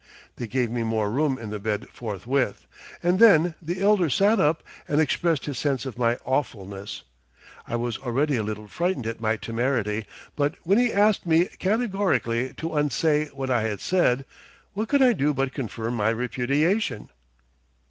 They gave me more room in the bed forthwith, and then the elder sat up and expressed his sense of my awfulness. I was already a little frightened at my temerity, but when he asked me categorically to unsay what I had said, what could I do but confirm my repudiation?